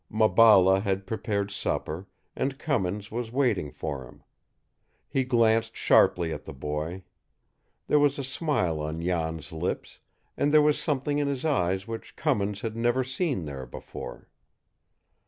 Maballa had prepared supper, and Cummins was waiting for him. He glanced sharply at the boy. There was a smile on Jan's lips, and there was something in his eyes which Cummins had never seen there before.